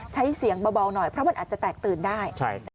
ใช้เสียงเบาหน่อยเพราะมันอาจจะแตกตื่นได้